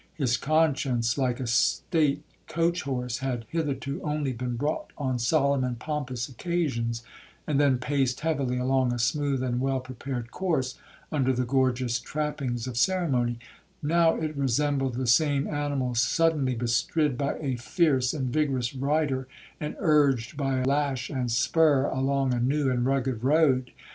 His conscience, like a state coach horse, had hitherto only been brought on solemn and pompous occasions, and then paced heavily along a smooth and well prepared course, under the gorgeous trappings of ceremony;—now it resembled the same animal suddenly bestrid by a fierce and vigorous rider, and urged by lash and spur along a new and rugged road.